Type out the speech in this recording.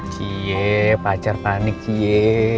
si ye pacar panik si ye